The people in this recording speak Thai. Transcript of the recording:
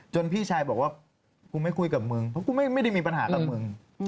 พี่ชายบอกว่ากูไม่คุยกับมึงเพราะกูไม่ได้มีปัญหากับมึง